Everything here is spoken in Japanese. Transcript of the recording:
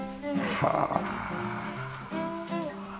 はあ。